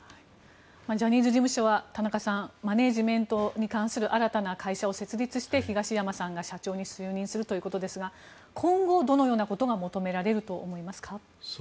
ジャニーズ事務所は田中さんマネジメントに関する新たな会社を設立して東山さんが社長に就任するということですが今後どのようなことが求められると思いますか？